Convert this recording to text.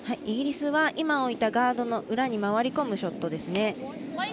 イギリスは今、置いたガードの裏に回り込むショットですね。